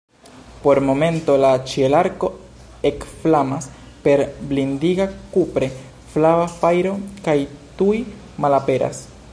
Por momento la ĉielarko ekflamas per blindiga kupre flava fajro kaj tuj malaperas.